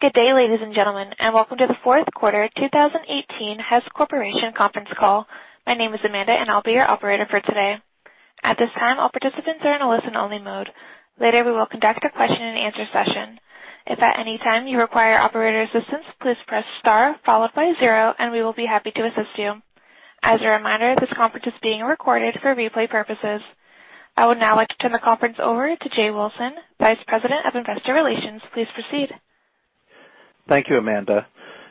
Good day, ladies and gentlemen, and welcome to the fourth quarter 2018 Hess Corporation conference call. My name is Amanda, and I'll be your operator for today. At this time, all participants are in a listen-only mode. Later, we will conduct a question and answer session. If at any time you require operator assistance, please press star followed by zero, and we will be happy to assist you. As a reminder, this conference is being recorded for replay purposes. I would now like to turn the conference over to Jay Wilson, Vice President of Investor Relations. Please proceed. Thank you, Amanda.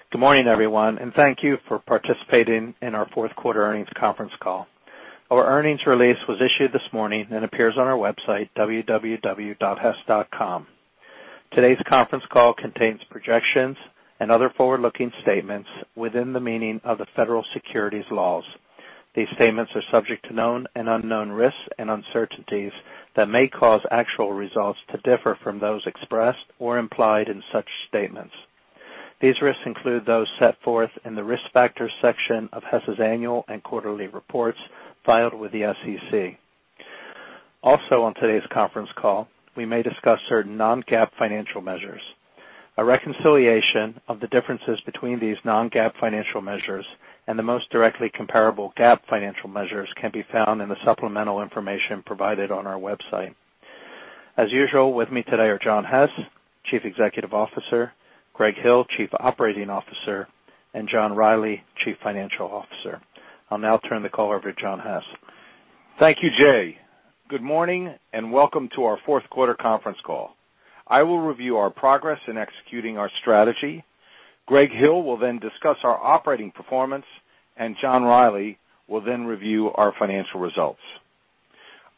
Good morning, everyone, and thank you for participating in our fourth quarter earnings conference call. Our earnings release was issued this morning and appears on our website, www.hess.com. Today's conference call contains projections and other forward-looking statements within the meaning of the federal securities laws. These statements are subject to known and unknown risks and uncertainties that may cause actual results to differ from those expressed or implied in such statements. These risks include those set forth in the Risk Factors section of Hess' annual and quarterly reports filed with the SEC. Also, on today's conference call, we may discuss certain non-GAAP financial measures. A reconciliation of the differences between these non-GAAP financial measures and the most directly comparable GAAP financial measures can be found in the supplemental information provided on our website. As usual, with me today are John Hess, Chief Executive Officer, Greg Hill, Chief Operating Officer, and John Rielly, Chief Financial Officer. I'll now turn the call over to John Hess. Thank you, Jay. Good morning, and welcome to our fourth quarter conference call. I will review our progress in executing our strategy. Greg Hill will then discuss our operating performance, and John Rielly will then review our financial results.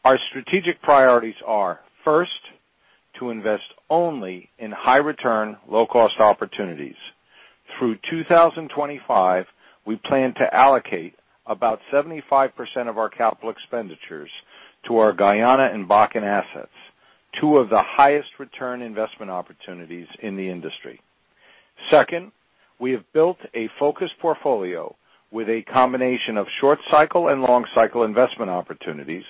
Our strategic priorities are, first, to invest only in high-return, low-cost opportunities. Through 2025, we plan to allocate about 75% of our capital expenditures to our Guyana and Bakken assets, two of the highest return investment opportunities in the industry. Second, we have built a focused portfolio with a combination of short-cycle and long-cycle investment opportunities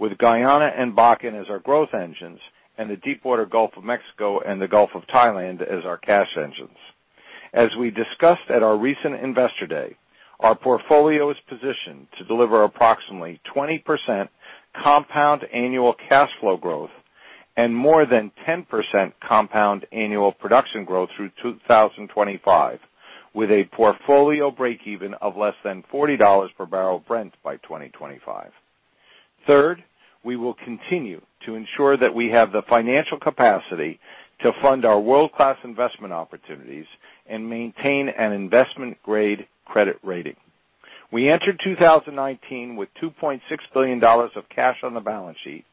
with Guyana and Bakken as our growth engines and the Deepwater Gulf of Mexico and the Gulf of Thailand as our cash engines. As we discussed at our recent Investor Day, our portfolio is positioned to deliver approximately 20% compound annual cash flow growth and more than 10% compound annual production growth through 2025 with a portfolio breakeven of less than $40 per barrel of Brent by 2025. Third, we will continue to ensure that we have the financial capacity to fund our world-class investment opportunities and maintain an investment-grade credit rating. We entered 2019 with $2.6 billion of cash on the balance sheet,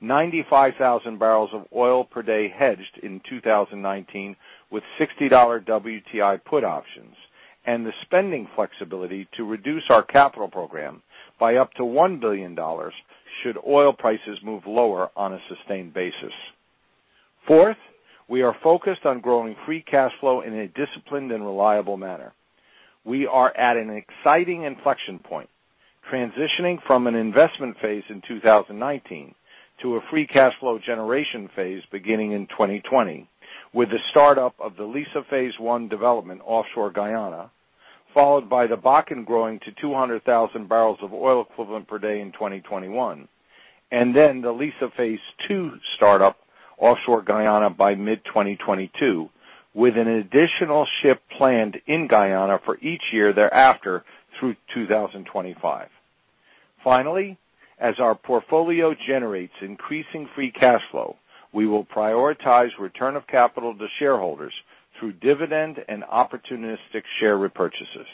95,000 bopd hedged in 2019 with $60 WTI put options, and the spending flexibility to reduce our capital program by up to $1 billion should oil prices move lower on a sustained basis. Fourth, we are focused on growing free cash flow in a disciplined and reliable manner. We are at an exciting inflection point, transitioning from an investment phase in 2019 to a free cash flow generation phase beginning in 2020, with the startup of the Liza Phase 1 development offshore Guyana, followed by the Bakken growing to 200,000 boepd in 2021. The Liza Phase 2 startup offshore Guyana by mid-2022, with an additional ship planned in Guyana for each year thereafter through 2025. Finally, as our portfolio generates increasing free cash flow, we will prioritize return of capital to shareholders through dividend and opportunistic share repurchases.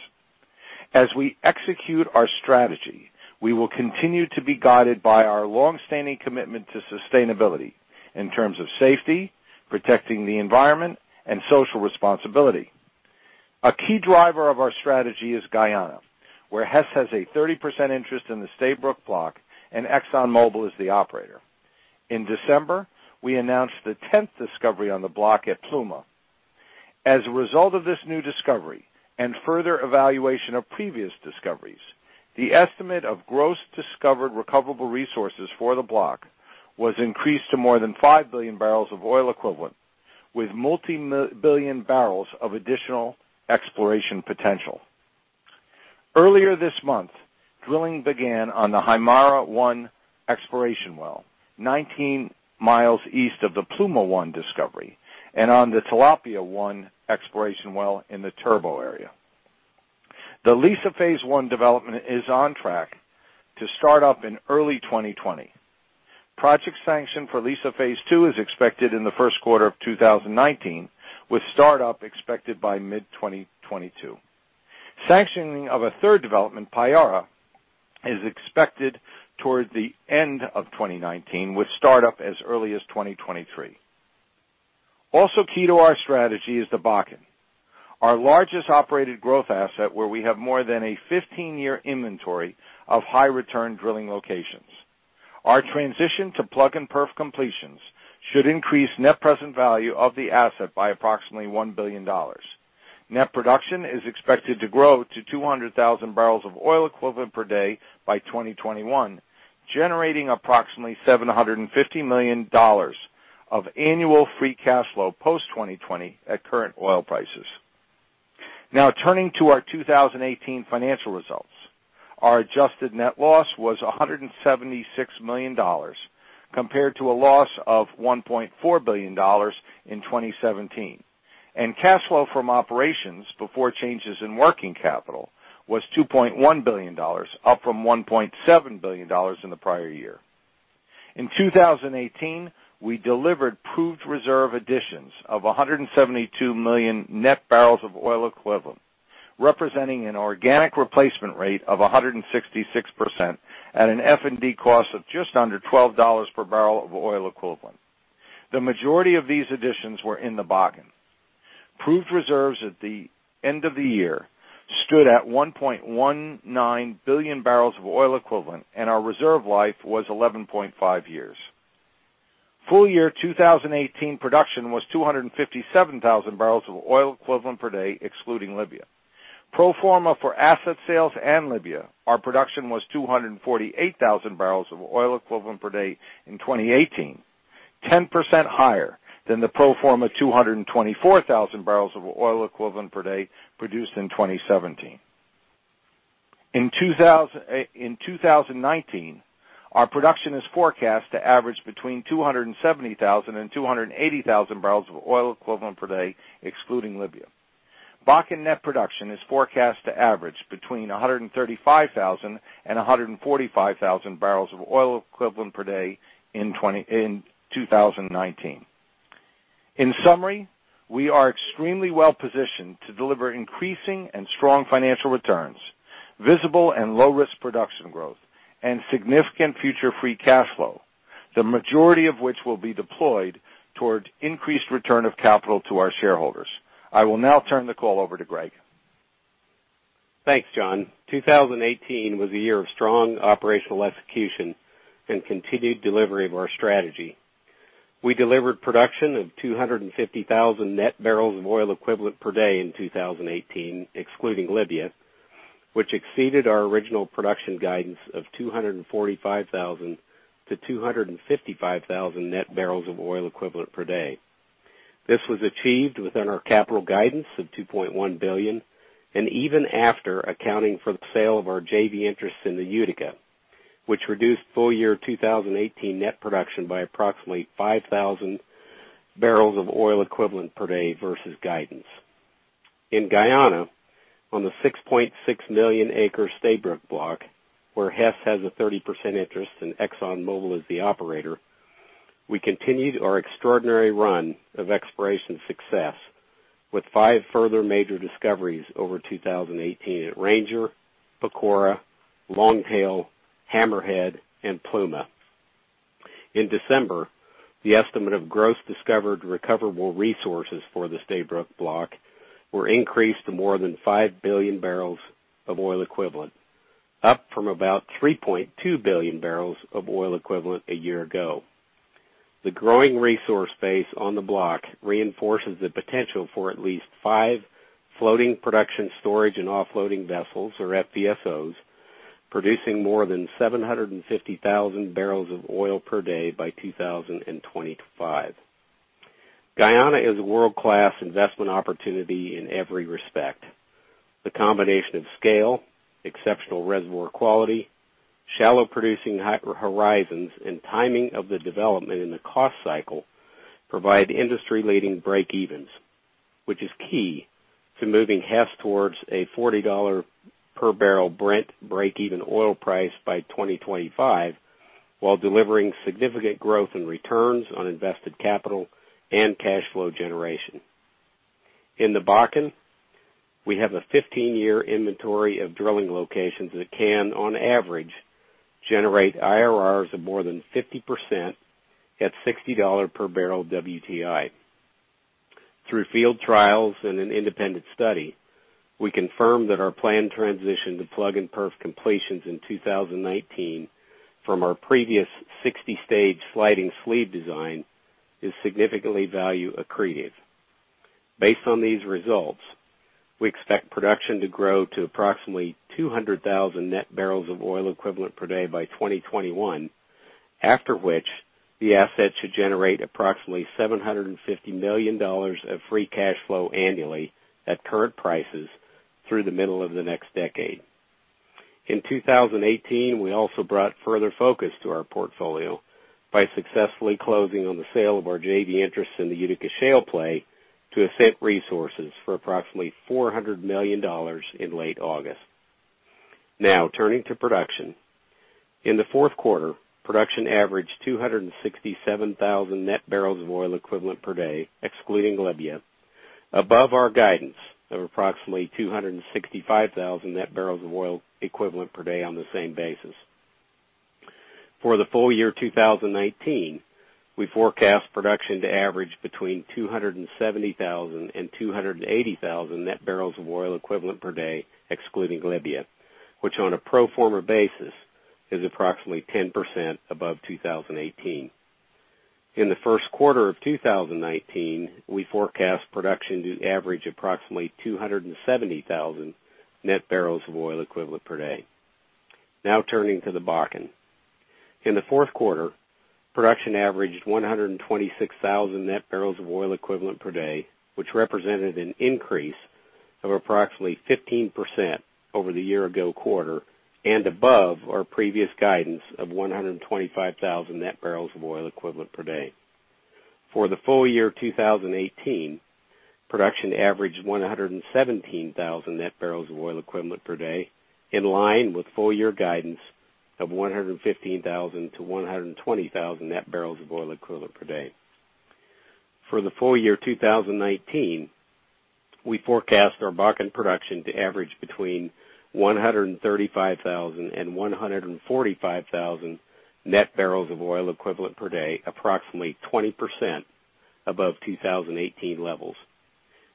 As we execute our strategy, we will continue to be guided by our longstanding commitment to sustainability in terms of safety, protecting the environment, and social responsibility. A key driver of our strategy is Guyana, where Hess has a 30% interest in the Stabroek Block and ExxonMobil is the operator. In December, we announced the tenth discovery on the block at Pluma. As a result of this new discovery and further evaluation of previous discoveries, the estimate of gross discovered recoverable resources for the block was increased to more than 5 billion barrels of oil equivalent, with multi-billion barrels of additional exploration potential. Earlier this month, drilling began on the Haimara-1 exploration well, 19 miles east of the Pluma-1 discovery, and on the Tilapia-1 exploration well in the Turbot area. The Liza Phase 1 development is on track to start up in early 2020. Project sanction for Liza Phase 2 is expected in the first quarter of 2019, with startup expected by mid-2022. Sanctioning of a third development, Payara, is expected toward the end of 2019, with startup as early as 2023. Also key to our strategy is the Bakken, our largest operated growth asset where we have more than a 15-year inventory of high-return drilling locations. Our transition to plug and perf completions should increase net present value of the asset by approximately $1 billion. Net production is expected to grow to 200,000 boepd by 2021, generating approximately $750 million of annual free cash flow post-2020 at current oil prices. Now turning to our 2018 financial results. Our adjusted net loss was $176 million compared to a loss of $1.4 billion in 2017. Cash flow from operations before changes in working capital was $2.1 billion, up from $1.7 billion in the prior year. In 2018, we delivered proved reserve additions of 172 million net barrels of oil equivalent, representing an organic replacement rate of 166% at an F&D cost of just under $12 per barrel of oil equivalent. The majority of these additions were in the Bakken. Proved reserves at the end of the year stood at 1.19 billion barrels of oil equivalent, and our reserve life was 11.5 years. Full year 2018 production was 257,000 boepd, excluding Libya. Pro forma for asset sales and Libya, our production was 248,000 boepd in 2018, 10% higher than the pro forma 224,000 boepd produced in 2017. In 2019, our production is forecast to average between 270,000 and 280,000 boepd, excluding Libya. Bakken net production is forecast to average between 135,000 and 145,000 boepd in 2019. In summary, we are extremely well-positioned to deliver increasing and strong financial returns, visible and low-risk production growth, and significant future free cash flow, the majority of which will be deployed towards increased return of capital to our shareholders. I will now turn the call over to Greg. Thanks, John. 2018 was a year of strong operational execution and continued delivery of our strategy. We delivered production of 250,000 net barrels of oil equivalent per day in 2018, excluding Libya, which exceeded our original production guidance of 245,000 to 255,000 net barrels of oil equivalent per day. This was achieved within our capital guidance of $2.1 billion and even after accounting for the sale of our JV interests in the Utica, which reduced full year 2018 net production by approximately 5,000 boepd versus guidance. In Guyana, on the 6.6 million acre Stabroek Block, where Hess has a 30% interest and ExxonMobil is the operator, we continued our extraordinary run of exploration success with five further major discoveries over 2018 at Ranger, Pacora, Longtail, Hammerhead, and Pluma. In December, the estimate of gross discovered recoverable resources for the Stabroek Block were increased to more than 5 billion barrels of oil equivalent, up from about 3.2 billion barrels of oil equivalent a year ago. The growing resource base on the block reinforces the potential for at least five floating production storage and offloading vessels, or FPSOs, producing more than 750,000 boepd by 2025. Guyana is a world-class investment opportunity in every respect. The combination of scale, exceptional reservoir quality, shallow producing horizons, and timing of the development in the cost cycle provide industry-leading breakevens, which is key to moving Hess towards a $40 per barrel Brent breakeven oil price by 2025, while delivering significant growth in returns on invested capital and cash flow generation. In the Bakken, we have a 15-year inventory of drilling locations that can, on average, generate IRRs of more than 50% at $60 per barrel WTI. Through field trials and an independent study, we confirmed that our planned transition to plug and perf completions in 2019 from our previous 60-stage sliding sleeve design is significantly value accretive. Based on these results, we expect production to grow to approximately 200,000 net barrels of oil equivalent per day by 2021, after which the asset should generate approximately $750 million of free cash flow annually at current prices through the middle of the next decade. In 2018, we also brought further focus to our portfolio by successfully closing on the sale of our JV interests in the Utica Shale play to Ascent Resources for approximately $400 million in late August. Turning to production. In the fourth quarter, production averaged 267,000 net barrels of oil equivalent per day, excluding Libya, above our guidance of approximately 265,000 net barrels of oil equivalent per day on the same basis. For the full year 2019, we forecast production to average between 270,000 and 280,000 net barrels of oil equivalent per day, excluding Libya, which on a pro forma basis is approximately 10% above 2018. In the first quarter of 2019, we forecast production to average approximately 270,000 net barrels of oil equivalent per day. Turning to the Bakken. In the fourth quarter, production averaged 126,000 net barrels of oil equivalent per day, which represented an increase of approximately 15% over the year ago quarter, and above our previous guidance of 125,000 net barrels of oil equivalent per day. For the full year 2018, production averaged 117,000 net barrels of oil equivalent per day, in line with full year guidance of 115,000 to 120,000 net barrels of oil equivalent per day. For the full year 2019, we forecast our Bakken production to average between 135,000 and 145,000 net barrels of oil equivalent per day, approximately 20% above 2018 levels.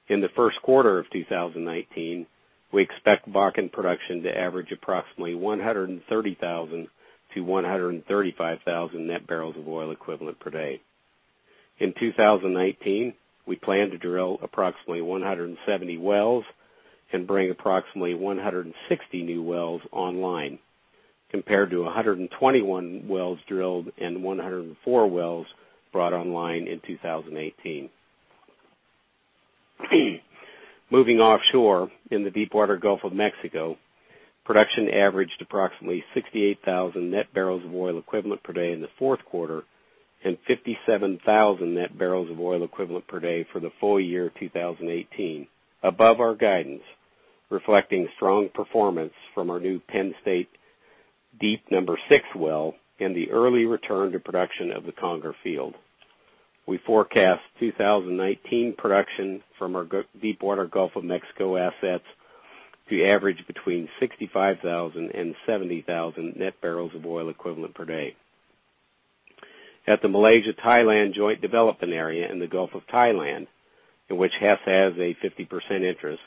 In the first quarter of 2019, we expect Bakken production to average approximately 130,000 to 135,000 net barrels of oil equivalent per day. In 2019, we plan to drill approximately 170 wells and bring approximately 160 new wells online, compared to 121 wells drilled and 104 wells brought online in 2018. Moving offshore in the Deepwater Gulf of Mexico, production averaged approximately 68,000 net barrels of oil equivalent per day in the fourth quarter, and 57,000 net barrels of oil equivalent per day for the full year 2018, above our guidance, reflecting strong performance from our new Penn State Deep 6 well, and the early return to production of the Conger field. We forecast 2019 production from our Deepwater Gulf of Mexico assets to average between 65,000 and 70,000 net barrels of oil equivalent per day. At the Malaysia Thailand Joint Development Area in the Gulf of Thailand, in which Hess has a 50% interest,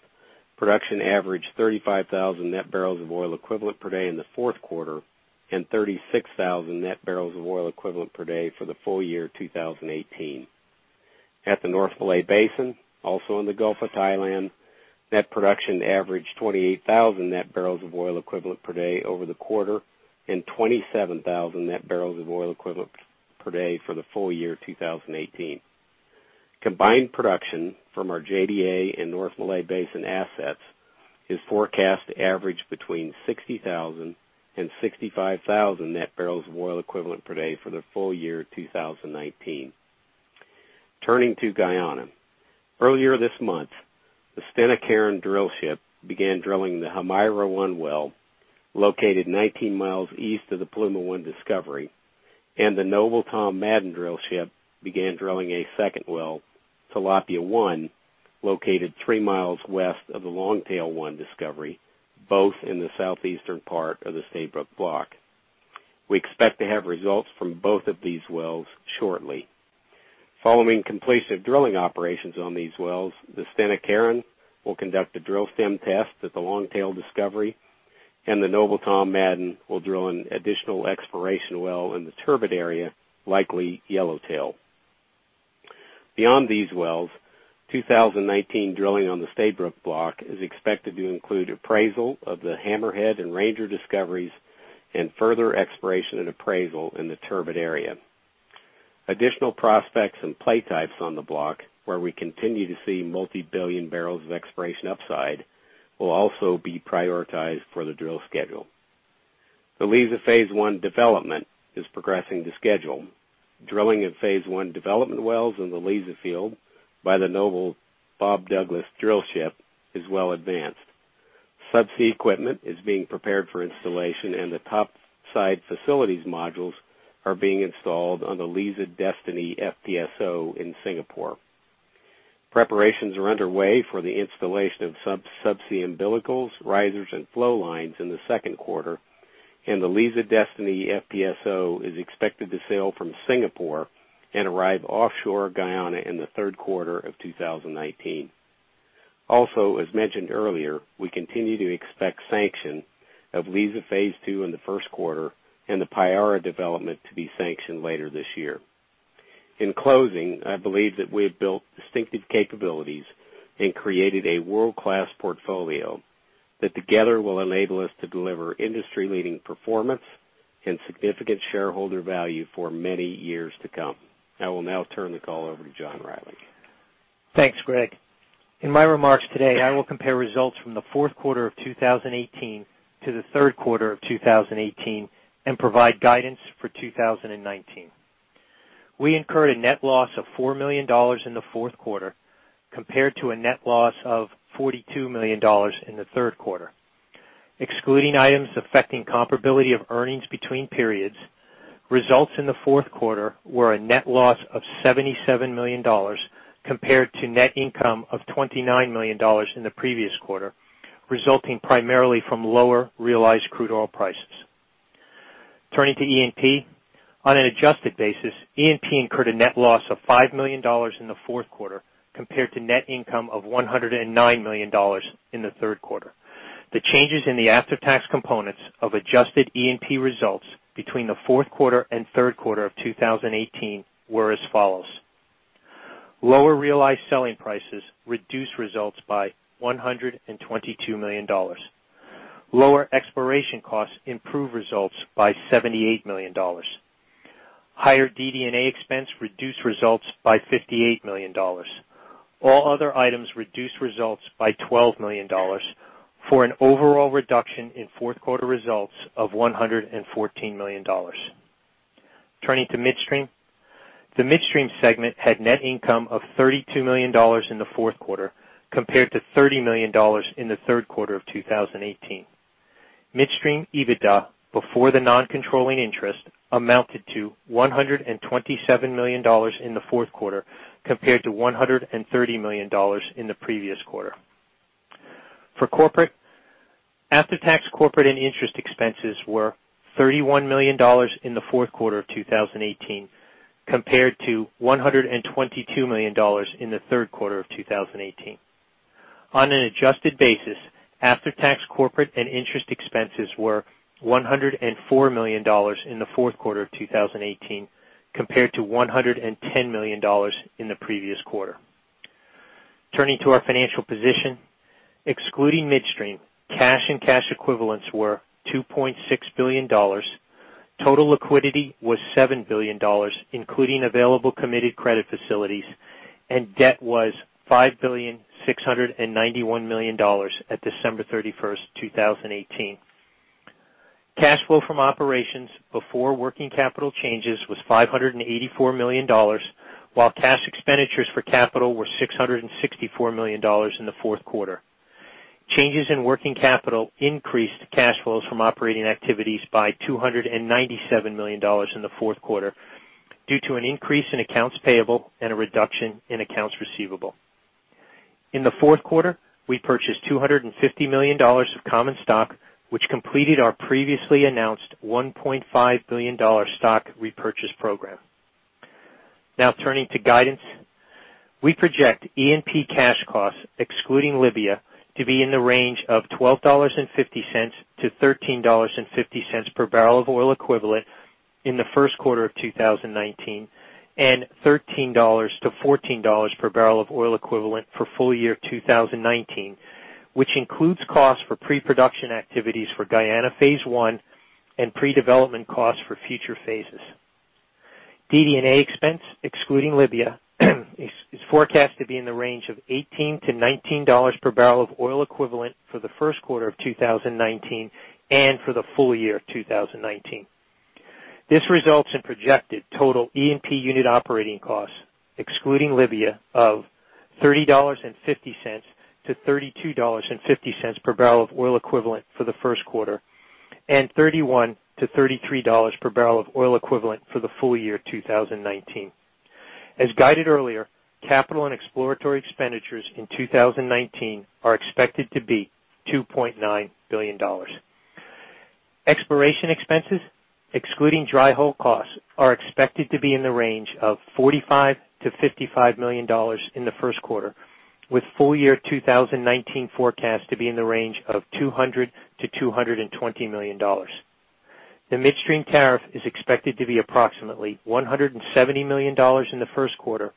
production averaged 35,000 net barrels of oil equivalent per day in the fourth quarter, and 36,000 net barrels of oil equivalent per day for the full year 2018. At the North Malay Basin, also in the Gulf of Thailand, net production averaged 28,000 net barrels of oil equivalent per day over the quarter, and 27,000 net barrels of oil equivalent per day for the full year 2018. Combined production from our JDA and North Malay Basin assets is forecast to average between 60,000 and 65,000 net barrels of oil equivalent per day for the full year 2019. Turning to Guyana. Earlier this month, the Stena Carron drillship began drilling the Haimara-1 well, located 19 miles east of the Pluma-1 discovery, and the Noble Tom Madden drillship began drilling a second well, Tilapia-1, located three miles west of the Longtail-1 discovery, both in the southeastern part of the Stabroek Block. We expect to have results from both of these wells shortly. Following completion of drilling operations on these wells, the Stena Carron will conduct a drill stem test at the Longtail discovery, and the Noble Tom Madden will drill an additional exploration well in the Turbot area, likely Yellowtail. Beyond these wells, 2019 drilling on the Stabroek Block is expected to include appraisal of the Hammerhead and Ranger discoveries, and further exploration and appraisal in the Turbot area. Additional prospects and play types on the block, where we continue to see multi-billion barrels of exploration upside, will also be prioritized for the drill schedule. The Liza Phase 1 development is progressing to schedule. Drilling of Phase 1 development wells in the Liza field by the Noble Bob Douglas drillship is well advanced. Subsea equipment is being prepared for installation, and the topside facilities modules are being installed on the Liza Destiny FPSO in Singapore. Preparations are underway for the installation of subsea umbilicals, risers, and flowlines in the second quarter, and the Liza Destiny FPSO is expected to sail from Singapore and arrive offshore Guyana in the third quarter of 2019. Also, as mentioned earlier, we continue to expect sanction of Liza Phase 2 in the first quarter, and the Payara development to be sanctioned later this year. In closing, I believe that we have built distinctive capabilities and created a world-class portfolio that together will enable us to deliver industry-leading performance and significant shareholder value for many years to come. I will now turn the call over to John Rielly. Thanks, Greg. In my remarks today, I will compare results from the fourth quarter of 2018 to the third quarter of 2018 and provide guidance for 2019. We incurred a net loss of $4 million in the fourth quarter compared to a net loss of $42 million in the third quarter. Excluding items affecting comparability of earnings between periods, results in the fourth quarter were a net loss of $77 million compared to net income of $29 million in the previous quarter, resulting primarily from lower realized crude oil prices. Turning to E&P. On an adjusted basis, E&P incurred a net loss of $5 million in the fourth quarter compared to net income of $109 million in the third quarter. The changes in the after-tax components of adjusted E&P results between the fourth quarter and third quarter of 2018 were as follows. Lower realized selling prices reduced results by $122 million. Lower exploration costs improved results by $78 million. Higher DD&A expense reduced results by $58 million. All other items reduced results by $12 million, for an overall reduction in fourth quarter results of $114 million. Turning to midstream. The midstream segment had net income of $32 million in the fourth quarter, compared to $30 million in the third quarter of 2018. Midstream EBITDA, before the non-controlling interest, amounted to $127 million in the fourth quarter, compared to $130 million in the previous quarter. For corporate, after-tax corporate and interest expenses were $31 million in the fourth quarter of 2018, compared to $122 million in the third quarter of 2018. On an adjusted basis, after-tax corporate and interest expenses were $104 million in the fourth quarter of 2018, compared to $110 million in the previous quarter. Turning to our financial position. Excluding midstream, cash and cash equivalents were $2.6 billion. Total liquidity was $7 billion, including available committed credit facilities, and debt was $5,691,000,000 at December 31st, 2018. Cash flow from operations before working capital changes was $584 million, while cash expenditures for capital were $664 million in the fourth quarter. Changes in working capital increased cash flows from operating activities by $297 million in the fourth quarter due to an increase in accounts payable and a reduction in accounts receivable. In the fourth quarter, we purchased $250 million of common stock, which completed our previously announced $1.5 billion stock repurchase program. Now turning to guidance. We project E&P cash costs, excluding Libya, to be in the range of $12.50 to $13.50 per barrel of oil equivalent in the first quarter of 2019, and $13 to $14 per barrel of oil equivalent for full year 2019, which includes costs for pre-production activities for Liza Phase 1 and pre-development costs for future phases. DD&A expense, excluding Libya, is forecast to be in the range of $18 to $19 per barrel of oil equivalent for the first quarter of 2019 and for the full year 2019. This results in projected total E&P unit operating costs, excluding Libya, of $30.50 to $32.50 per barrel of oil equivalent for the first quarter, and $31 to $33 per barrel of oil equivalent for the full year 2019. As guided earlier, capital and exploratory expenditures in 2019 are expected to be $2.9 billion. Exploration expenses, excluding dry hole costs, are expected to be in the range of $45 to $55 million in the first quarter, with full year 2019 forecast to be in the range of $200 to $220 million. The midstream tariff is expected to be approximately $170 million in the first quarter,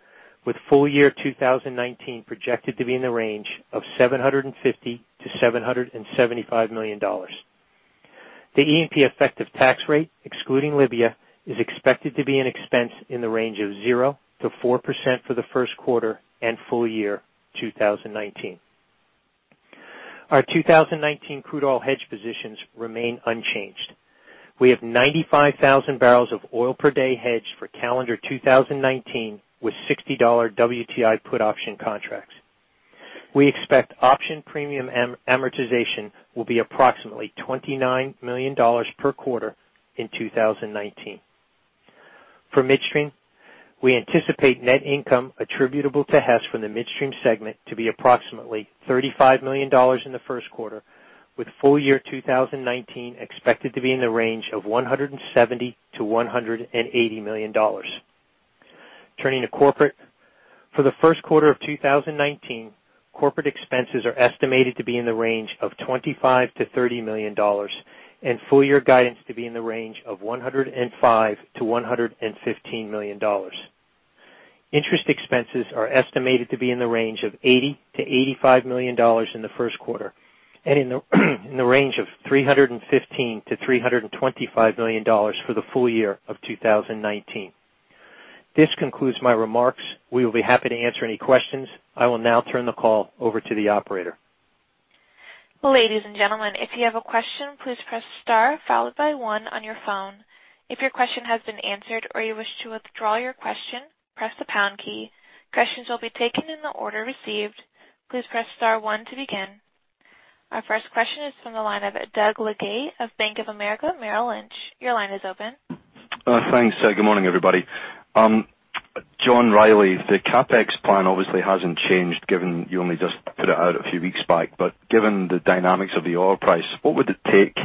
with full year 2019 projected to be in the range of $750 to $775 million. The E&P effective tax rate, excluding Libya, is expected to be an expense in the range of 0% to 4% for the first quarter and full year 2019. Our 2019 crude oil hedge positions remain unchanged. We have 95,000 boepd hedged for calendar 2019 with $60 WTI put option contracts. We expect option premium amortization will be approximately $29 million per quarter in 2019. For midstream, we anticipate net income attributable to Hess from the midstream segment to be approximately $35 million in the first quarter, with full year 2019 expected to be in the range of $170 million-$180 million. Turning to corporate. For the first quarter of 2019, corporate expenses are estimated to be in the range of $25 million-$30 million, and full-year guidance to be in the range of $105 million-$115 million. Interest expenses are estimated to be in the range of $80 million-$85 million in the first quarter, and in the range of $315 million-$325 million for the full year of 2019. This concludes my remarks. We will be happy to answer any questions. I will now turn the call over to the operator. Ladies and gentlemen, if you have a question, please press star followed by one on your phone. If your question has been answered or you wish to withdraw your question, press the pound key. Questions will be taken in the order received. Please press star one to begin. Our first question is from the line of Doug Leggate of Bank of America Merrill Lynch. Your line is open. Thanks. Good morning, everybody. John Rielly, the CapEx plan obviously hasn't changed, given you only just put it out a few weeks back. Given the dynamics of the oil price, what would it take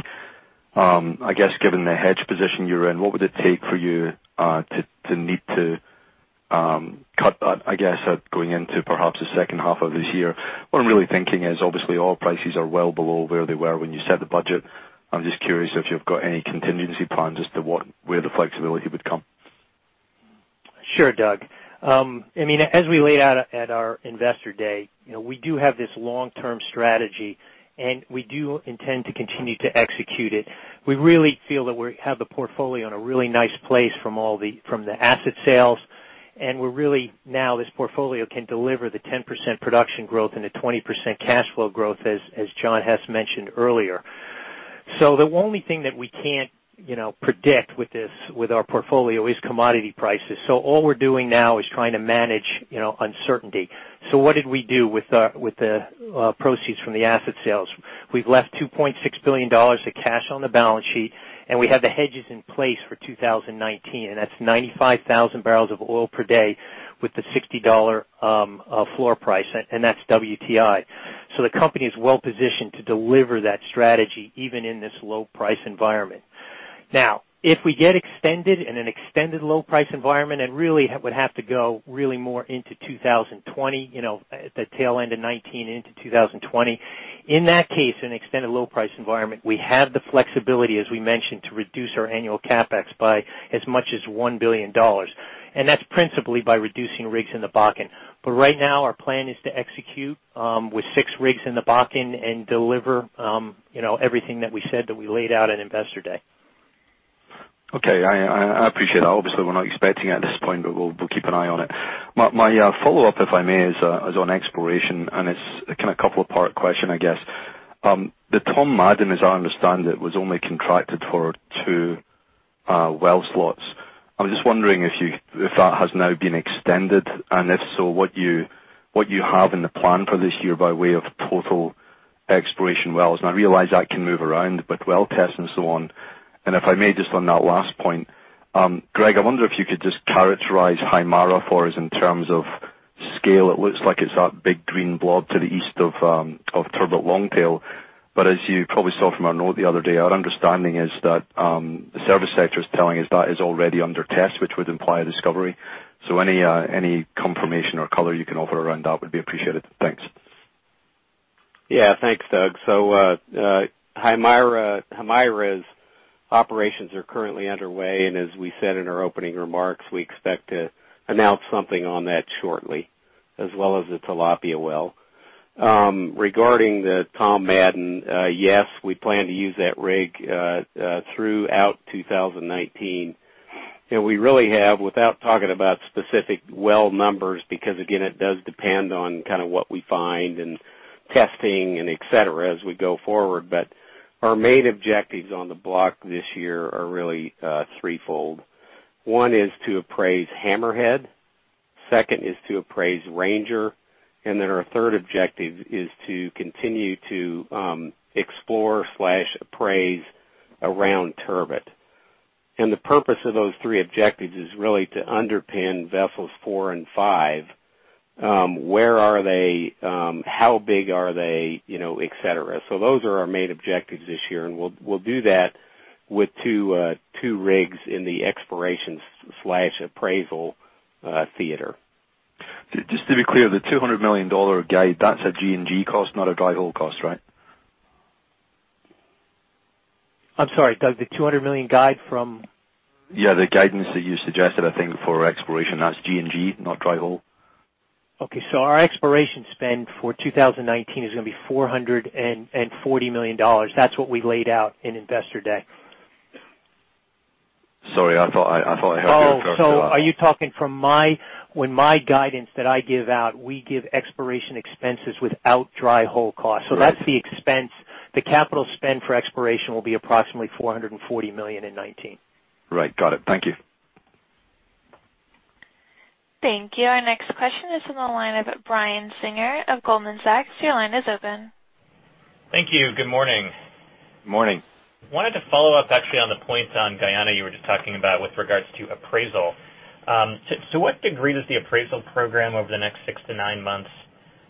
I guess, given the hedge position you're in, what would it take for you to need to cut that, I guess, going into perhaps the second half of this year? What I'm really thinking is, obviously, oil prices are well below where they were when you set the budget. I'm just curious if you've got any contingency plans as to where the flexibility would come. Sure, Doug. As we laid out at our Investor Day, we do have this long-term strategy, and we do intend to continue to execute it. We really feel that we have the portfolio in a really nice place from the asset sales, and now this portfolio can deliver the 10% production growth and the 20% cash flow growth as John Hess mentioned earlier. The only thing that we can't predict with our portfolio is commodity prices. All we're doing now is trying to manage uncertainty. What did we do with the proceeds from the asset sales? We've left $2.6 billion of cash on the balance sheet, and we have the hedges in place for 2019, and that's 95,000 boepd with the $60 floor price, and that's WTI. The company is well-positioned to deliver that strategy even in this low price environment. Now, if we get extended in an extended low price environment, it really would have to go really more into 2020, the tail end of 2019 into 2020. In that case, in an extended low price environment, we have the flexibility, as we mentioned, to reduce our annual CapEx by as much as $1 billion. That's principally by reducing rigs in the Bakken. Right now, our plan is to execute with six rigs in the Bakken and deliver everything that we said that we laid out at Investor Day. Okay. I appreciate that. Obviously, we're not expecting it at this point, but we'll keep an eye on it. My follow-up, if I may, is on exploration, and it's a couple of part question, I guess. The Stena Carron, as I understand it, was only contracted for two well slots. I'm just wondering if that has now been extended, and if so, what you have in the plan for this year by way of total exploration wells. I realize that can move around with well tests and so on. If I may, just on that last point, Greg, I wonder if you could just characterize Haimara for us in terms of scale. It looks like it's that big green blob to the east of Turbot Longtail. As you probably saw from our note the other day, our understanding is that the service sector is telling us that is already under test, which would imply a discovery. Any confirmation or color you can offer around that would be appreciated. Thanks. Thanks, Doug. Haimara's operations are currently underway, and as we said in our opening remarks, we expect to announce something on that shortly, as well as the Tilapia well. Regarding the Stena Carron, yes, we plan to use that rig throughout 2019. We really have, without talking about specific well numbers, because again, it does depend on what we find, and testing, and et cetera, as we go forward. Our main objectives on the block this year are really threefold. One is to appraise Hammerhead, second is to appraise Ranger, and our third objective is to continue to explore/appraise around Turbot. The purpose of those three objectives is really to underpin vessels four and five. Where are they? How big are they? Et cetera. Those are our main objectives this year, and we'll do that with two rigs in the exploration/appraisal theater. Just to be clear, the $200 million guide, that's a G&G cost, not a dry hole cost, right? I'm sorry, Doug, the $200 million guide from? The guidance that you suggested, I think, for exploration, that's G&G, not dry hole. Okay. Our exploration spend for 2019 is going to be $440 million. That's what we laid out in Investor Day. Sorry, I thought I heard you- Oh, are you talking from when my guidance that I give out, we give exploration expenses without dry hole cost. Right. That's the expense. The capital spend for exploration will be approximately $440 million in 2019. Right. Got it. Thank you. Thank you. Our next question is on the line with Brian Singer of Goldman Sachs. Your line is open. Thank you. Good morning. Morning. Wanted to follow up actually on the points on Guyana you were just talking about with regards to appraisal. To what degree does the appraisal program over the next 6-9 months,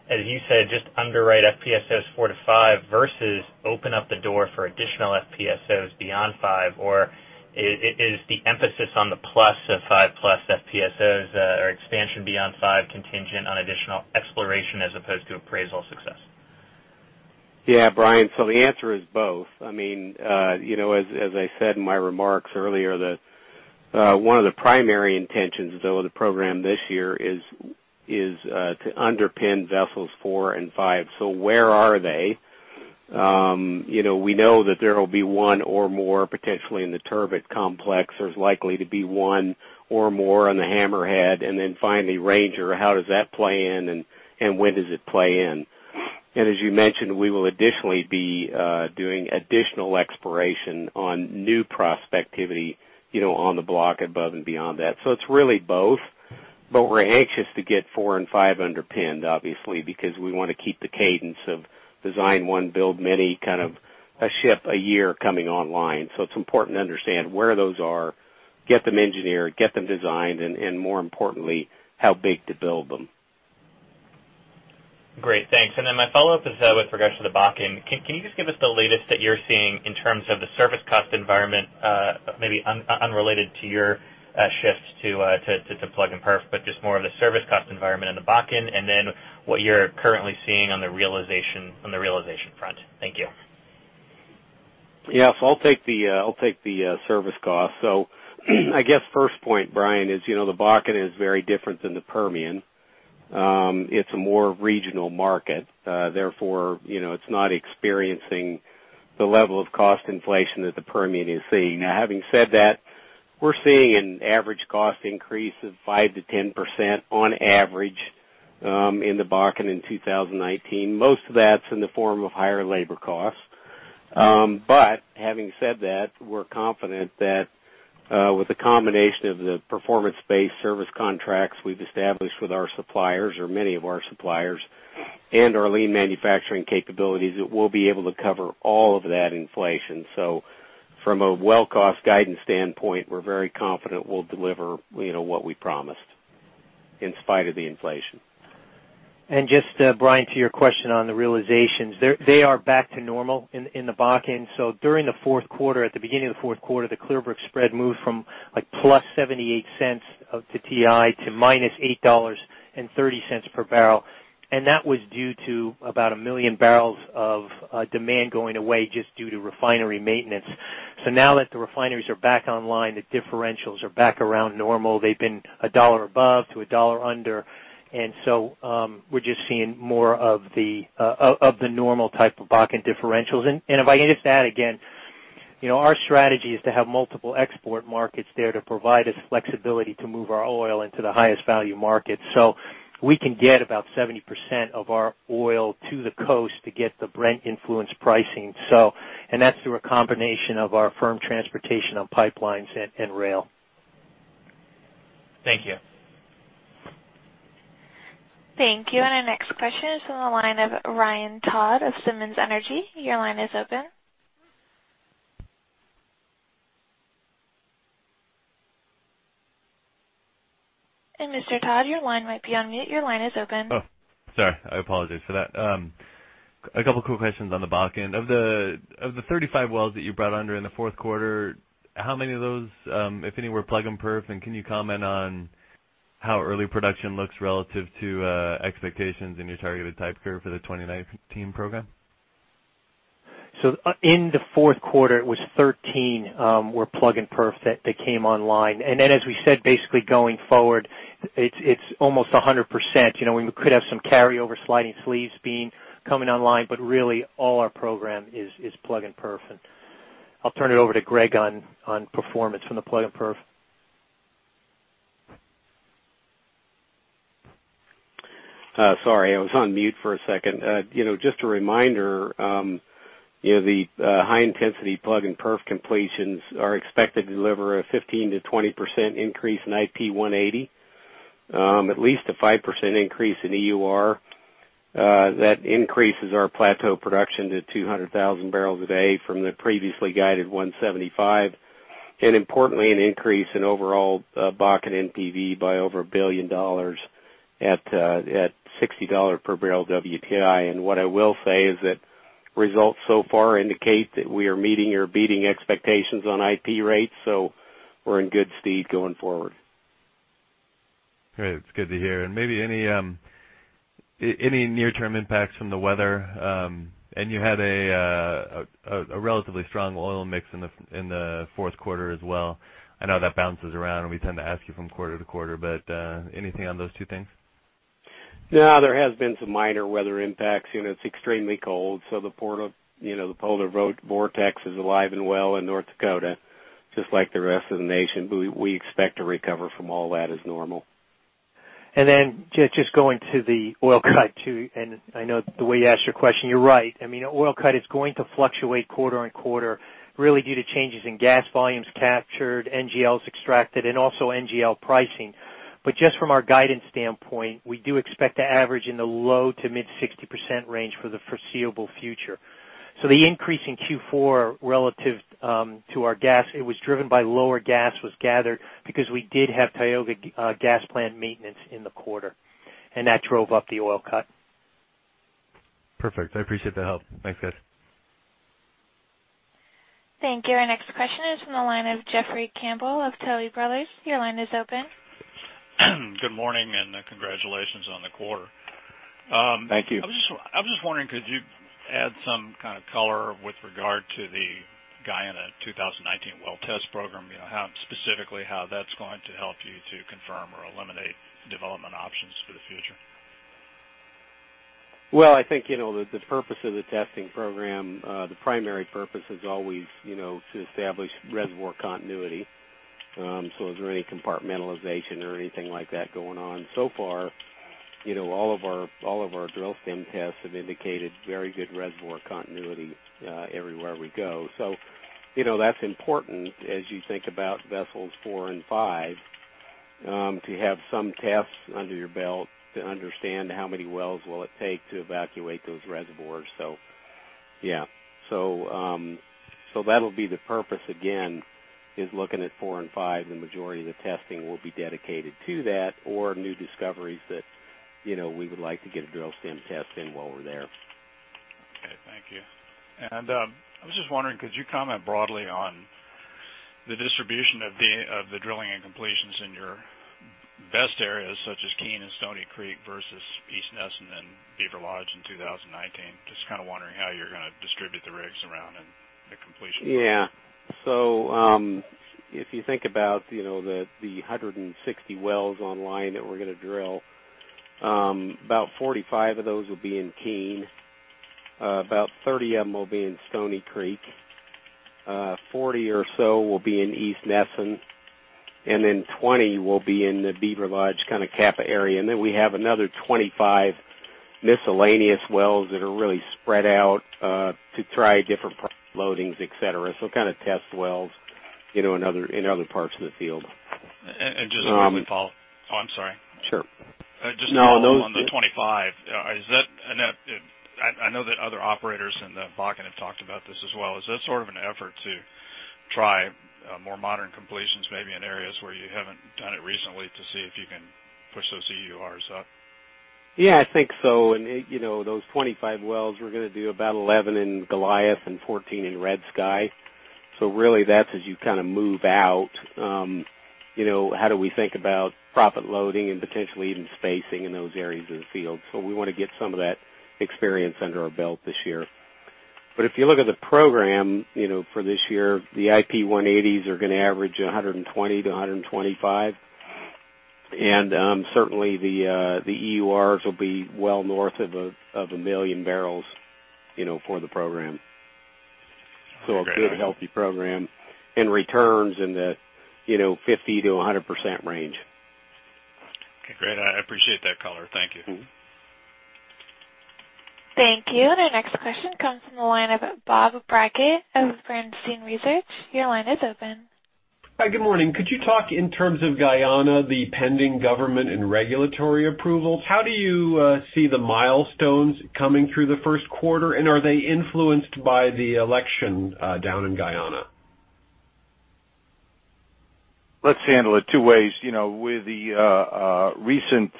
as you said, just underwrite FPSOs 4-5 versus open up the door for additional FPSOs beyond five? Or is the emphasis on the plus of five plus FPSOs, or expansion beyond five contingent on additional exploration as opposed to appraisal success? Brian, the answer is both. As I said in my remarks earlier, that one of the primary intentions of the program this year is to underpin vessels four and five. Where are they? We know that there will be one or more potentially in the Turbot complex. There is likely to be one or more on the Hammerhead. Finally, Ranger, how does that play in, and when does it play in? As you mentioned, we will additionally be doing additional exploration on new prospectivity on the block above and beyond that. It is really both. We are anxious to get four and five underpinned, obviously, because we want to keep the cadence of design one, build many, a ship a year coming online. It is important to understand where those are, get them engineered, get them designed, and more importantly, how big to build them. Great. Thanks. My follow-up is with regards to the Bakken. Can you just give us the latest that you are seeing in terms of the service cost environment, maybe unrelated to your shifts to plug and perf, but just more of the service cost environment in the Bakken, and then what you are currently seeing on the realization front? Thank you. Yes, I will take the service cost. I guess first point, Brian, is the Bakken is very different than the Permian. It is a more regional market. Therefore, it is not experiencing the level of cost inflation that the Permian is seeing. Now, having said that, we are seeing an average cost increase of 5%-10% on average, in the Bakken in 2019. Most of that is in the form of higher labor costs. Having said that, we are confident that with the combination of the performance-based service contracts we have established with our suppliers, or many of our suppliers, and our lean manufacturing capabilities, that we will be able to cover all of that inflation. From a well cost guidance standpoint, we are very confident we will deliver what we promised in spite of the inflation. Just, Brian, to your question on the realizations. They are back to normal in the Bakken. During the fourth quarter, at the beginning of the fourth quarter, the Clearbrook spread moved from +$0.78 to WTI to -$8.30 per barrel. That was due to about 1 million barrels of demand going away just due to refinery maintenance. Now that the refineries are back online, the differentials are back around normal. They have been $1 above to $1 under. We are just seeing more of the normal type of Bakken differentials. If I can just add again, our strategy is to have multiple export markets there to provide us flexibility to move our oil into the highest value market, so we can get about 70% of our oil to the coast to get the Brent influenced pricing. That's through a combination of our firm transportation on pipelines and rail. Thank you. Thank you. Our next question is from the line of Ryan Todd of Simmons Energy. Your line is open. Mr. Todd, your line might be on mute. Your line is open. Oh, sorry. I apologize for that. A couple of quick questions on the back end. Of the 35 wells that you brought under in the fourth quarter, how many of those, if any, were plug and perf, and can you comment on how early production looks relative to expectations in your targeted type curve for the 2019 program? In the fourth quarter it was 13 were plug and perf that came online. As we said basically going forward, it's almost 100%. We could have some carryover sliding sleeves coming online, but really all our program is plug and perf. I'll turn it over to Greg on performance from the plug and perf. Sorry, I was on mute for a second. Just a reminder, the high intensity plug and perf completions are expected to deliver a 15%-20% increase in IP 180, at least a 5% increase in EUR. That increases our plateau production to 200,000 bpd from the previously guided 175, and importantly, an increase in overall Bakken NPV by over a billion dollars at $60 per barrel WTI. What I will say is that results so far indicate that we are meeting or beating expectations on IP rates, so we're in good stead going forward. Great. That's good to hear. Maybe any near-term impacts from the weather? You had a relatively strong oil mix in the fourth quarter as well. I know that bounces around, and we tend to ask you from quarter to quarter, but anything on those two things? No, there has been some minor weather impacts. It's extremely cold. The polar vortex is alive and well in North Dakota, just like the rest of the nation. We expect to recover from all that as normal. Just going to the oil cut too, and I know the way you asked your question, you're right. Oil cut is going to fluctuate quarter on quarter, really due to changes in gas volumes captured, NGLs extracted and also NGL pricing. Just from our guidance standpoint, we do expect to average in the low to mid 60% range for the foreseeable future. The increase in Q4 relative to our gas, it was driven by lower gas was gathered because we did have Tioga Gas Plant maintenance in the quarter, and that drove up the oil cut. Perfect. I appreciate the help. Thanks, guys. Thank you. Our next question is from the line of Jeffrey Campbell of Tuohy Brothers. Your line is open. Good morning, and congratulations on the quarter. Thank you. I'm just wondering, could you add some kind of color with regard to the Guyana 2019 well test program, specifically how that's going to help you to confirm or eliminate development options for the future? Well, I think the purpose of the testing program, the primary purpose is always to establish reservoir continuity. Is there any compartmentalization or anything like that going on? Far, all of our drill stem tests have indicated very good reservoir continuity everywhere we go. That's important as you think about vessels 4 and 5, to have some tests under your belt to understand how many wells will it take to evacuate those reservoirs. Yeah. That'll be the purpose again, is looking at 4 and 5, the majority of the testing will be dedicated to that or new discoveries that we would like to get a drill stem test in while we're there. Okay. Thank you. I was just wondering, could you comment broadly on the distribution of the drilling and completions in your best areas, such as Keene and Stony Creek versus East Nesson and Beaver Lodge in 2019? Just wondering how you're going to distribute the rigs around and the completion. Yeah. If you think about the 160 wells online that we're going to drill, about 45 of those will be in Keene, about 30 of them will be in Stony Creek, 40 or so will be in East Nesson, 20 will be in the Beaver Lodge kind of Cap area. We have another 25 miscellaneous wells that are really spread out, to try different loadings, et cetera. Kind of test wells in other parts of the field. Just a quick follow-up. Oh, I'm sorry. Sure. Just to follow up on the 25, I know that other operators in the Bakken have talked about this as well. Is that sort of an effort to try more modern completions, maybe in areas where you haven't done it recently to see if you can push those EURs up? Yeah, I think so. Those 25 wells, we're going to do about 11 in Goliath and 14 in Red Sky. Really that's as you kind of move out, how do we think about profit loading and potentially even spacing in those areas of the field. We want to get some of that experience under our belt this year. If you look at the program for this year, the IP 180s are going to average 120 to 125. Certainly the EURs will be well north of a million barrels for the program. Okay. A good healthy program, and returns in the 50%-100% range. Okay, great. I appreciate that color. Thank you. Thank you. The next question comes from the line of Bob Brackett of Bernstein Research. Your line is open. Hi. Good morning. Could you talk in terms of Guyana, the pending government and regulatory approvals? How do you see the milestones coming through the first quarter, and are they influenced by the election down in Guyana? Let's handle it two ways. With the recent,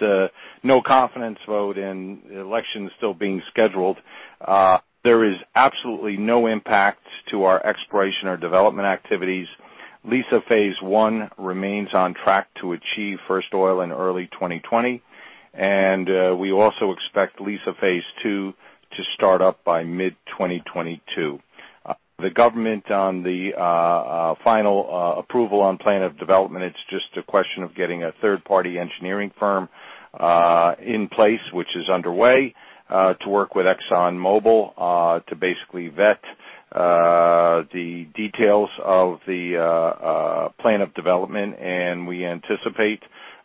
no confidence vote and the election still being scheduled, there is absolutely no impact to our exploration or development activities. Liza Phase 1 remains on track to achieve first oil in early 2020, and we also expect Liza Phase 2 to start up by mid 2022. The government on the final approval on plan of development, it's just a question of getting a third party engineering firm in place, which is underway, to work with ExxonMobil, to basically vet the details of the plan of development. We anticipate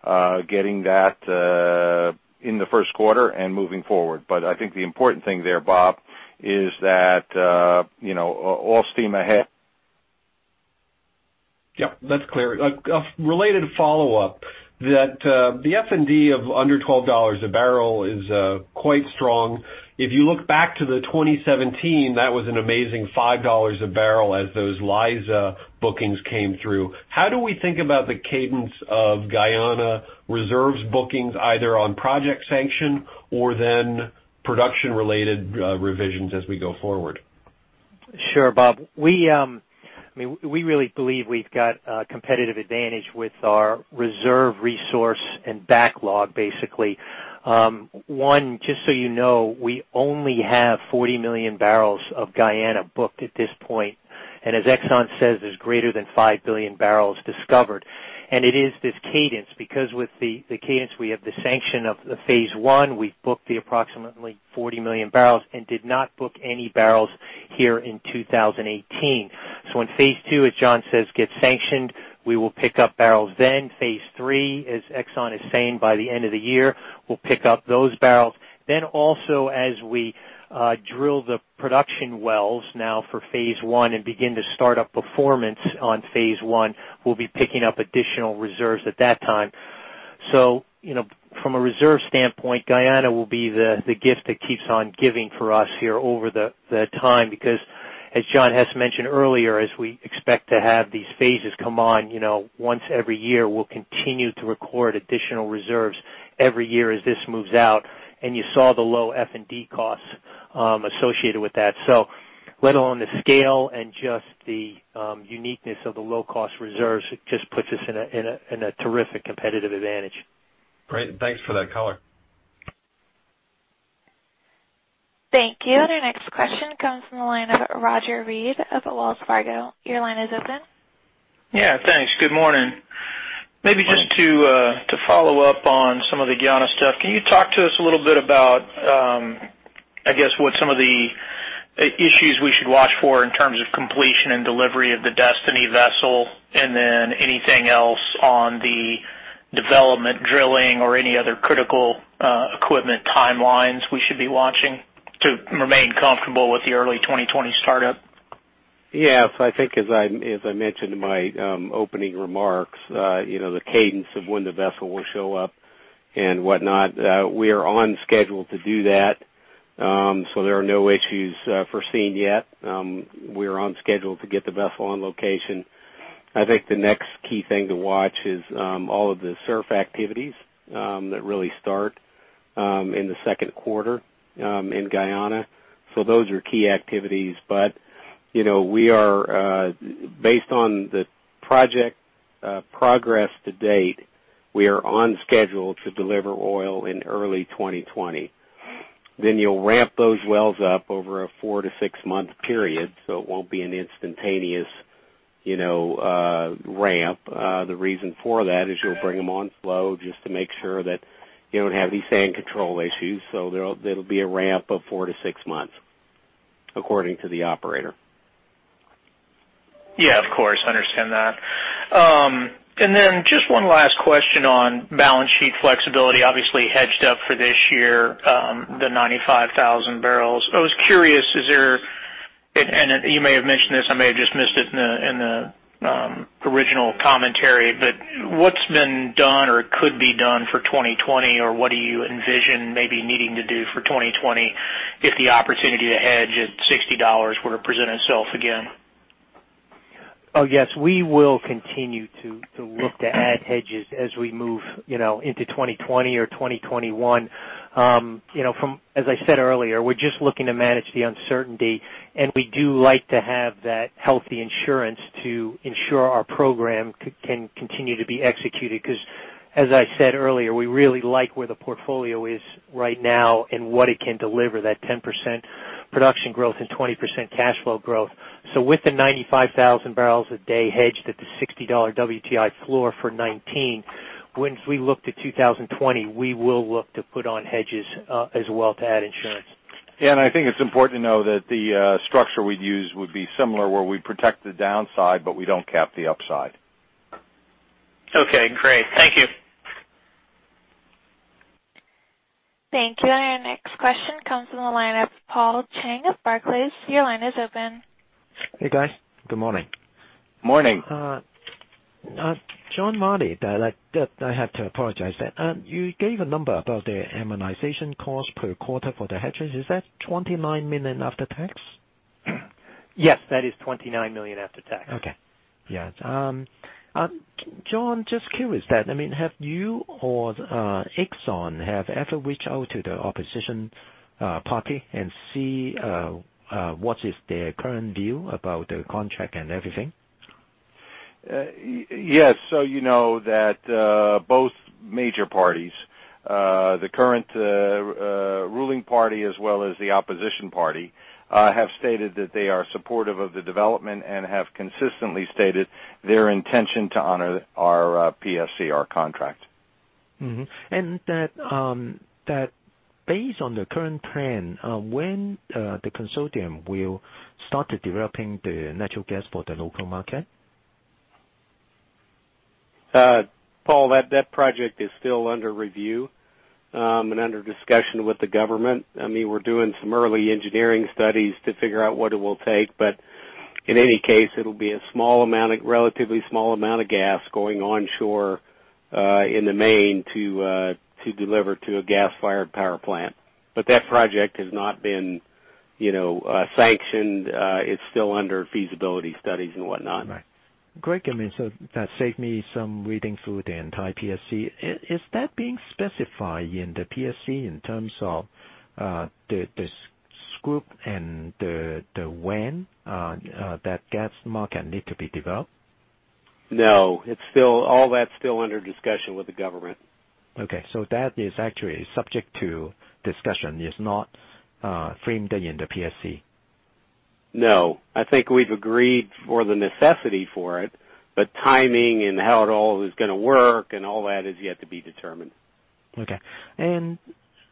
getting that in the first quarter and moving forward. I think the important thing there, Bob, is that all steam ahead. Yep, that's clear. A related follow-up, that the F&D of under $12 a barrel is quite strong. If you look back to the 2017, that was an amazing $5 a barrel as those Liza bookings came through. How do we think about the cadence of Guyana reserves bookings, either on project sanction or then production-related revisions as we go forward? Sure, Bob. We really believe we've got a competitive advantage with our reserve resource and backlog, basically. One, just so you know, we only have 40 million barrels of Guyana booked at this point. As Exxon says, there's greater than 5 billion barrels discovered. It is this cadence, because with the cadence, we have the sanction of the Phase 1, we've booked the approximately 40 million barrels and did not book any barrels here in 2018. When Phase 2, as John says, gets sanctioned, we will pick up barrels then. Phase 3, as Exxon is saying, by the end of the year, we'll pick up those barrels. Also as we drill the production wells now for Phase 1 and begin to start up performance on Phase 1, we'll be picking up additional reserves at that time. From a reserve standpoint, Guyana will be the gift that keeps on giving for us here over the time, because as John Hess mentioned earlier, as we expect to have these phases come on once every year, we'll continue to record additional reserves every year as this moves out. You saw the low F&D costs associated with that. Let alone the scale and just the uniqueness of the low-cost reserves, it just puts us in a terrific competitive advantage. Great. Thanks for that color. Thank you. The next question comes from the line of Roger Read of Wells Fargo. Your line is open. Yeah. Thanks. Good morning. Maybe just to follow up on some of the Guyana stuff. Can you talk to us a little bit about, I guess what some of the issues we should watch for in terms of completion and delivery of the Destiny vessel, and then anything else on the development drilling or any other critical equipment timelines we should be watching to remain comfortable with the early 2020 startup? Yes, I think as I mentioned in my opening remarks, the cadence of when the vessel will show up and whatnot, we are on schedule to do that. There are no issues foreseen yet. We're on schedule to get the vessel on location. I think the next key thing to watch is all of the SURF activities that really start in the second quarter in Guyana. Those are key activities, but based on the project progress to date, we are on schedule to deliver oil in early 2020. You'll ramp those wells up over a four to six-month period, so it won't be an instantaneous ramp. The reason for that is you'll bring them on slow just to make sure that you don't have any sand control issues. It'll be a ramp of four to six months according to the operator. Yeah, of course. Understand that. Just one last question on balance sheet flexibility, obviously hedged up for this year, the 95,000 bbl. I was curious, and you may have mentioned this, I may have just missed it in the original commentary. What's been done or could be done for 2020, or what do you envision maybe needing to do for 2020 if the opportunity to hedge at $60 were to present itself again? Oh, yes. We will continue to look to add hedges as we move into 2020 or 2021. As I said earlier, we're just looking to manage the uncertainty, and we do like to have that healthy insurance to ensure our program can continue to be executed, because as I said earlier, we really like where the portfolio is right now and what it can deliver, that 10% production growth and 20% cash flow growth. With the 95,000 bpd hedged at the $60 WTI floor for 2019, once we look to 2020, we will look to put on hedges as well to add insurance. I think it's important to know that the structure we'd use would be similar, where we protect the downside, but we don't cap the upside. Okay, great. Thank you. Thank you. Our next question comes from the line of Paul Cheng of Barclays. Your line is open. Hey, guys. Good morning. Morning. John Rielly. I have to apologize. You gave a number about the amortization cost per quarter for the hedges. Is that $29 million after tax? Yes, that is $29 million after tax. Okay. Yeah. John, just curious then, have you or Exxon ever reached out to the opposition party and see what is their current view about the contract and everything? Yes. You know that both major parties, the current ruling party as well as the opposition party, have stated that they are supportive of the development and have consistently stated their intention to honor our PSC, our contract. Mm-hmm. Based on the current trend, when the consortium will start developing the natural gas for the local market? Paul, that project is still under review, and under discussion with the government. We're doing some early engineering studies to figure out what it will take, but in any case, it'll be a relatively small amount of gas going onshore in the main to deliver to a gas-fired power plant. That project has not been sanctioned. It's still under feasibility studies and whatnot. Right. Great. That saved me some reading through the entire PSC. Is that being specified in the PSC in terms of the scope and the when that gas market need to be developed? No. All that's still under discussion with the government. Okay. That is actually subject to discussion. It's not framed in the PSC. No. I think we've agreed for the necessity for it, but timing and how it all is going to work and all that is yet to be determined. Okay.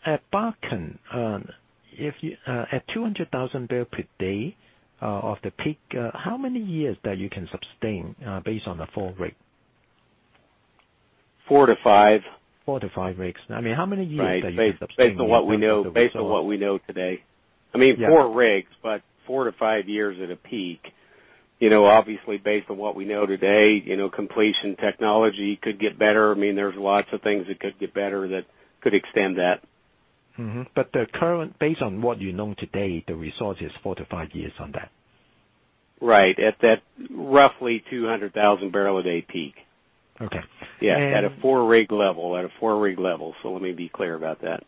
At Bakken, at 200,000 bpd of the peak, how many years that you can sustain based on the four rigs? Four to five. Four to five rigs. How many years that you can sustain- Based on what we know today. Four rigs, but four to five years at a peak. Obviously, based on what we know today, completion technology could get better. There's lots of things that could get better that could extend that. Based on what you know today, the result is four to five years on that. Right. At that roughly 200,000 barrel a day peak. Okay. At a four-rig level, let me be clear about that.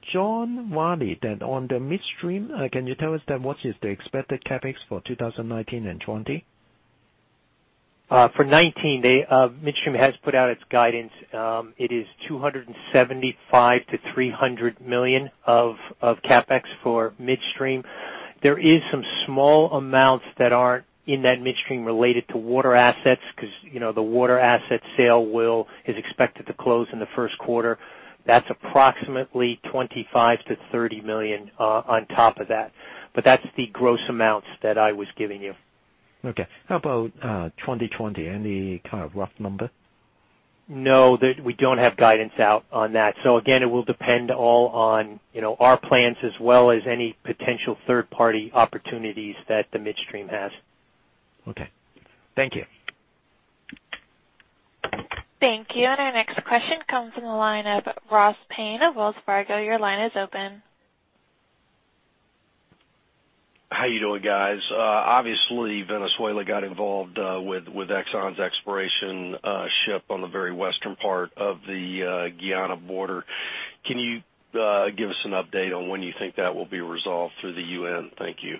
John Marty. On the midstream, can you tell us then what is the expected CapEx for 2019 and 2020? For 2019, Midstream has put out its guidance. It is $275 million-$300 million of CapEx for Midstream. There is some small amounts that aren't in that Midstream related to water assets because the water asset sale is expected to close in the first quarter. That's approximately $25 million-$30 million on top of that. That's the gross amounts that I was giving you. Okay. How about 2020? Any kind of rough number? No, we don't have guidance out on that. Again, it will depend all on our plans as well as any potential third-party opportunities that the Midstream has. Okay. Thank you. Thank you. Our next question comes from the line of Ross Payne of Wells Fargo. Your line is open. How are you doing, guys? Obviously, Venezuela got involved with Exxon's exploration ship on the very western part of the Guyana border. Can you give us an update on when you think that will be resolved through the UN? Thank you.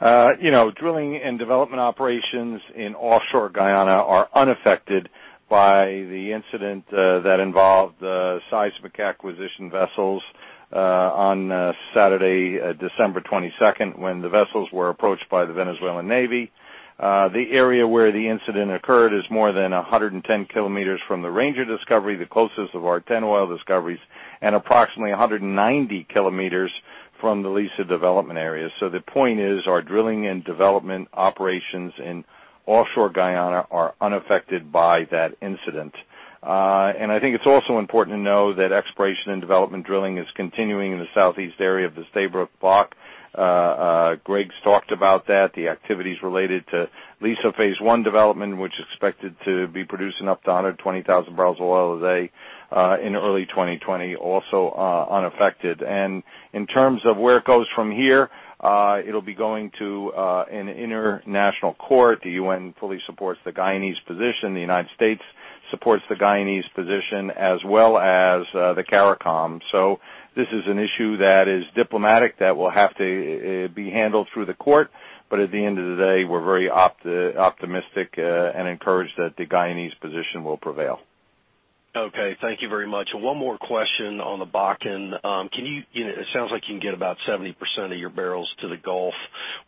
Drilling and development operations in offshore Guyana are unaffected by the incident that involved seismic acquisition vessels on Saturday, December 22nd, when the vessels were approached by the Venezuelan Navy. The area where the incident occurred is more than 110 kilometers from the Ranger discovery, the closest of our 10 oil discoveries, and approximately 190 kilometers from the Liza development area. The point is, our drilling and development operations in offshore Guyana are unaffected by that incident. I think it's also important to know that exploration and development drilling is continuing in the southeast area of the Stabroek Block. Greg's talked about that. The activities related to Liza Phase 1 development, which is expected to be producing up to 120,000 bopd in early 2020, also unaffected. In terms of where it goes from here, it'll be going to an international court. The UN fully supports the Guyanese position. The United States supports the Guyanese position as well as the CARICOM. This is an issue that is diplomatic, that will have to be handled through the court. At the end of the day, we're very optimistic and encouraged that the Guyanese position will prevail. Thank you very much. One more question on the Bakken. It sounds like you can get about 70% of your barrels to the Gulf.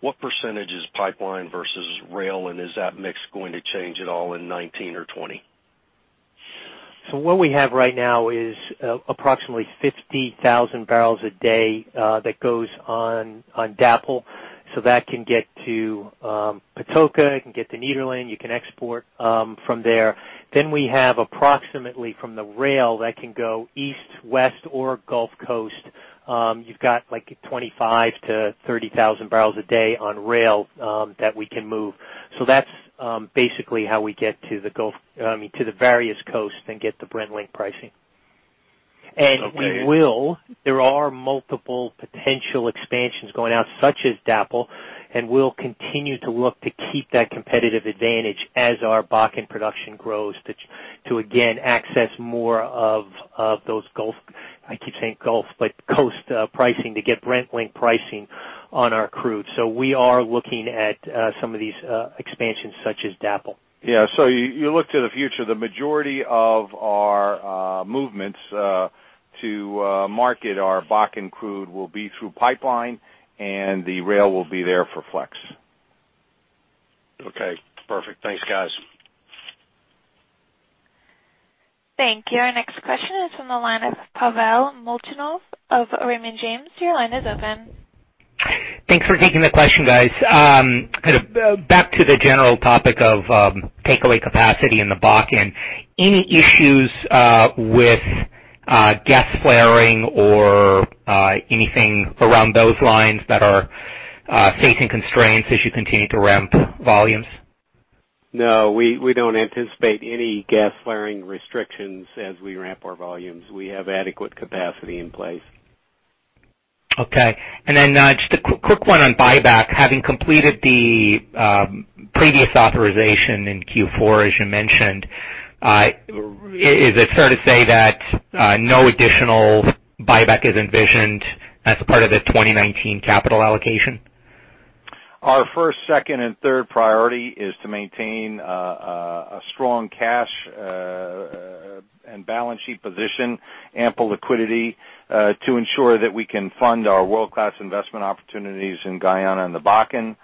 What % is pipeline versus rail, and is that mix going to change at all in 2019 or 2020? What we have right now is approximately 50,000 bpd that goes on DAPL. That can get to Patoka, it can get to Nederland, you can export from there. We have approximately from the rail that can go east, west, or Gulf Coast. You've got 25,000 to 30,000 bpd on rail that we can move. That's basically how we get to the various coasts and get the Brent-linked pricing. Okay. There are multiple potential expansions going out, such as DAPL, and we'll continue to look to keep that competitive advantage as our Bakken production grows to, again, access more of those Coast pricing to get Brent-linked pricing on our crude. We are looking at some of these expansions such as DAPL. You look to the future, the majority of our movements to market our Bakken crude will be through pipeline, and the rail will be there for flex. Okay, perfect. Thanks, guys. Thank you. Our next question is from the line of Pavel Molchanov of Raymond James. Your line is open. Thanks for taking the question, guys. Back to the general topic of takeaway capacity in the Bakken. Any issues with gas flaring or anything around those lines that are facing constraints as you continue to ramp volumes? No, we don't anticipate any gas flaring restrictions as we ramp our volumes. We have adequate capacity in place. Okay. Then just a quick one on buyback. Having completed the previous authorization in Q4, as you mentioned, is it fair to say that no additional buyback is envisioned as part of the 2019 capital allocation? Our first, second, and third priority is to maintain a strong cash and balance sheet position, ample liquidity, to ensure that we can fund our world-class investment opportunities in Guyana and the Bakken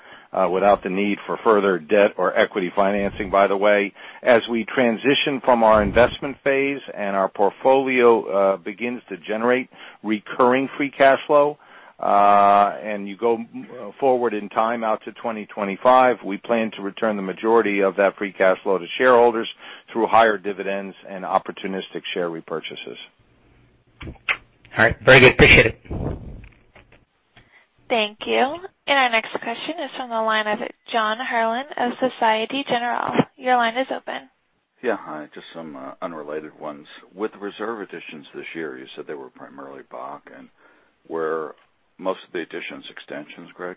without the need for further debt or equity financing. By the way, as we transition from our investment phase and our portfolio begins to generate recurring free cash flow, you go forward in time out to 2025, we plan to return the majority of that free cash flow to shareholders through higher dividends and opportunistic share repurchases. All right. Very good. Appreciate it. Thank you. Our next question is from the line of John Herrlin of Société Générale. Your line is open. Yeah. Hi, just some unrelated ones. With reserve additions this year, you said they were primarily Bakken. Were most of the additions extensions, Greg?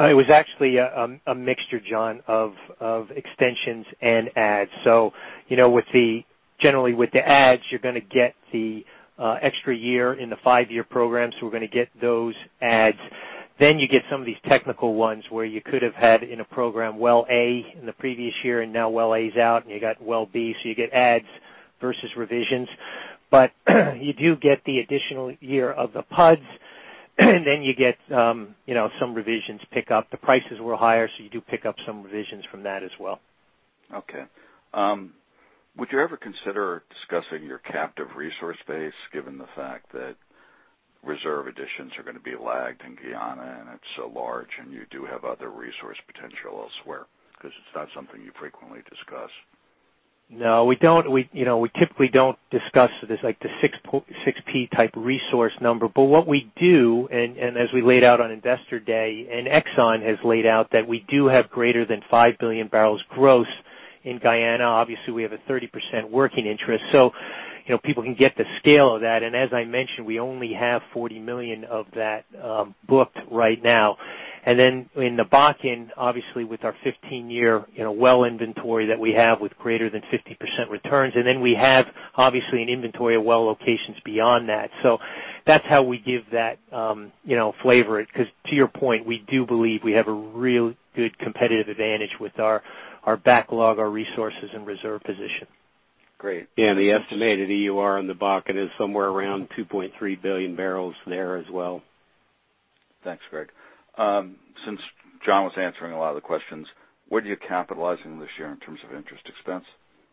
It was actually a mixture, John, of extensions and adds. Generally with the adds, you're going to get the extra year in the five-year program. We're going to get those adds. You get some of these technical ones where you could have had in a program Well A in the previous year, and now Well A's out and you got Well B. You get adds versus revisions, but you do get the additional year of the PUDs. You get some revisions pick up. The prices were higher, you do pick up some revisions from that as well. Okay. Would you ever consider discussing your captive resource base, given the fact that reserve additions are going to be lagged in Guyana, and it's so large, and you do have other resource potential elsewhere? It's not something you frequently discuss. No, we typically don't discuss this, like the 6P type resource number. What we do, and as we laid out on Investor Day, and Exxon has laid out, that we do have greater than 5 billion barrels gross in Guyana. Obviously, we have a 30% working interest, so people can get the scale of that. As I mentioned, we only have $40 million of that booked right now. Then in the Bakken, obviously with our 15-year well inventory that we have with greater than 50% returns, and then we have obviously an inventory of well locations beyond that. That's how we give that flavor. To your point, we do believe we have a real good competitive advantage with our backlog, our resources, and reserve position. Great. Yeah, the estimated EUR on the Bakken is somewhere around 2.3 billion barrels there as well. Thanks, Greg. Since John was answering a lot of the questions, what are you capitalizing this year in terms of interest expense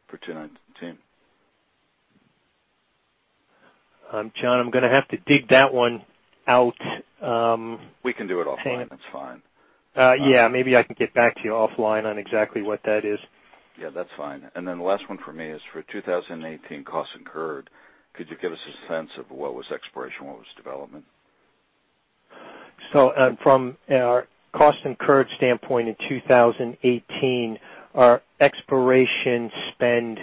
for 2019? John, I'm going to have to dig that one out. We can do it offline. That's fine. Yeah. Maybe I can get back to you offline on exactly what that is. Yeah, that's fine. Then the last one for me is for 2018 costs incurred, could you give us a sense of what was exploration, what was development? From our cost incurred standpoint in 2018, our exploration spend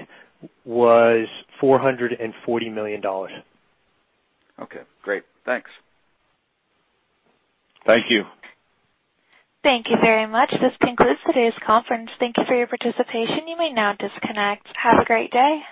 was $440 million. Okay, great. Thanks. Thank you. Thank you very much. This concludes today's conference. Thank you for your participation. You may now disconnect. Have a great day.